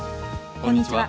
こんにちは。